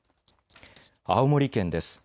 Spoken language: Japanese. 青森県です。